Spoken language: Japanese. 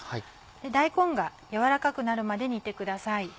大根が軟らかくなるまで煮てください。